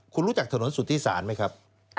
คุณรู้จักถนนสุธิศาลไหมครับ